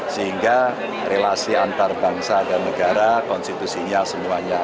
sehingga relasi antarbangsa dan negara konstitusinya semuanya